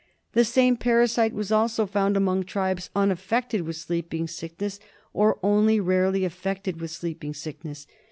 The same parasite was also found among tribes unaffected with Sleeping Sickness, or only rarely affected with Sleeping Sickness.